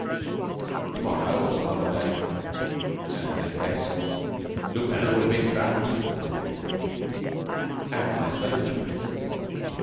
"To morrow, or some other day." "And in that case?" "Lupin would have been trapped," said the detective. "And my furniture?"